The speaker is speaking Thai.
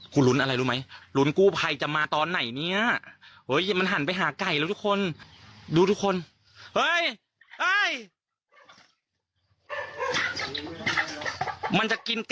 หลายคนคงคิดเหมือนเราสามคน